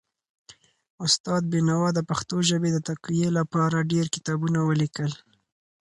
استاد بینوا د پښتو ژبې د تقويي لپاره ډېر کتابونه ولیکل.